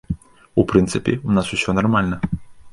У прынцыпе, у нас усё нармальна.